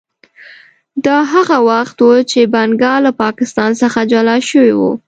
دا هغه وخت و چې بنګال له پاکستان څخه جلا شوی و.